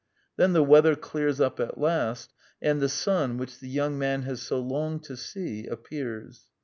Then the weather clears up at last; and the sun, which the young man has so longed to see, appears.